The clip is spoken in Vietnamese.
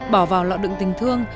bỏ vào lọ đựng tình thương